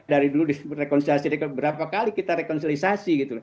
dari dulu rekonsilisasi berapa kali kita rekonsilisasi gitu